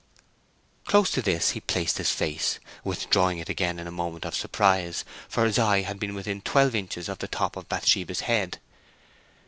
Close to this he placed his face, withdrawing it again in a movement of surprise; for his eye had been within twelve inches of the top of Bathsheba's head.